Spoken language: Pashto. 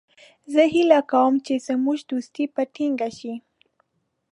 زه هیله کوم چې زموږ دوستي به ټینګه شي.